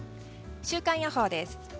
週間予報です。